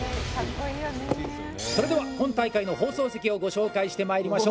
それでは今大会の放送席をご紹介してまいりましょう。